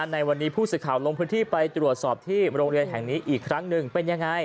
ในวันนี้ผู้สื่อข่าวลงพื้นที่ไปตรวจสอบที่โรงเรียนแห่งนี้อีกครั้งหนึ่งเป็นยังไง